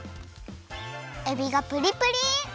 えびがプリプリ！